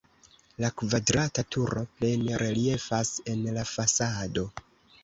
La kvadrata turo plene reliefas en la fasado.